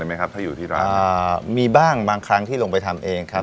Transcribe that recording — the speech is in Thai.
ไหมครับถ้าอยู่ที่ร้านอ่ามีบ้างบางครั้งที่ลงไปทำเองครับ